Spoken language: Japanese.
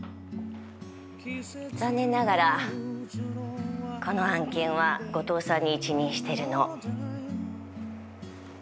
残念ながらこの案件は後藤さんに一任してるの。